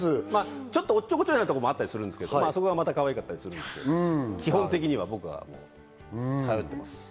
ちょっと、おっちょこちょいなところもあったりするんですけど、そこがかわいかったりもするんですけど、基本的には僕が頼ってます。